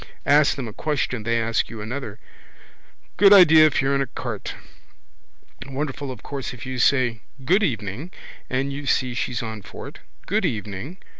Ask them a question they ask you another. Good idea if you're stuck. Gain time. But then you're in a cart. Wonderful of course if you say: good evening, and you see she's on for it: good evening.